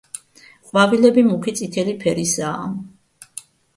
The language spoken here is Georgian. ყვავილები მუქი წითელი ფერისაა.